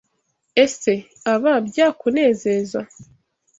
Ese aba byakunezeza?